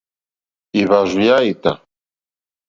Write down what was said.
Èhvàrzù ya ita.